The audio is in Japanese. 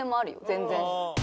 全然。